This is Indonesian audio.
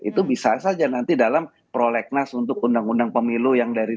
itu bisa saja nanti dalam prolegnas untuk undang undang pemilu yang dari